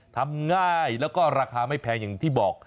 ทำง่ายแล้วก็ราคาไม่แพงอย่างที่บอก